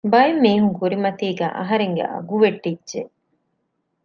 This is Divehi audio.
ބައެއް މީހުންގެ ކުރިމަތީގައި އަހަރެންގެ އަގު ވެއްޓިއްޖެ